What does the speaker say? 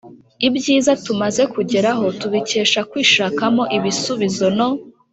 Ibyiza tumaze kugeraho tubikesha kwishakamo ibisubizo no